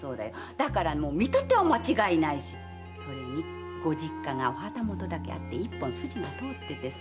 だから見立ては間違いないしそれにご実家がお旗本だけに一本筋が通っていてさ